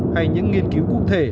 hay những nghiên cứu cụ thể